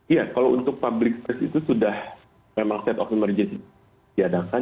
iya kalau untuk public space itu sudah memang set of emergency diadakan